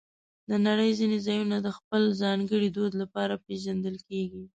د نړۍ ځینې ځایونه د خپل ځانګړي دود لپاره پېژندل کېږي.